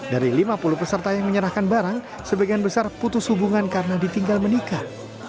dari lima puluh peserta yang menyerahkan barang sebagian besar putus hubungan karena ditinggal menikah